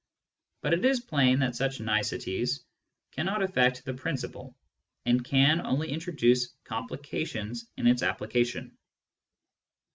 But it is plain that such niceties cannot aflTect the principle, and can only introduce complications in its application.